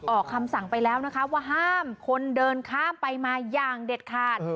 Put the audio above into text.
ออกคำสั่งไปแล้วนะคะว่าห้ามคนเดินข้ามไปมาอย่างเด็ดขาด